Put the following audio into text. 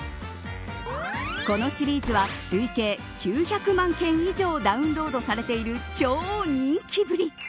このシリーズは累計９００万件以上もダウンロードされている超人気ぶり。